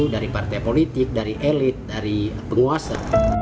dari partai politik dari elit dari penguasa